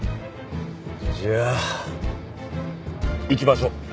じゃあ行きましょう。